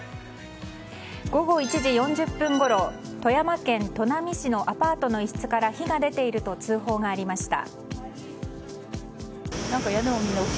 午後１時４０分ごろ富山県砺波市のアパートの一室から火が出ていると通報がありました。